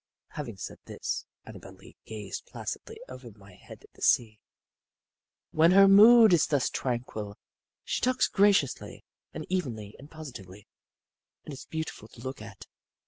Having said this, Annabel Lee gazed placidly over my head at the sea. When her mood is thus tranquil, she talks graciously and evenly and positively, and is beautiful to look at.